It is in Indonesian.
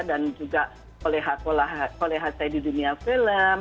dan juga oleh hac di dunia film